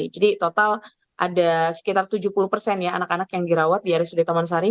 jadi total ada sekitar tujuh puluh anak anak yang dirawat di rsud tamansari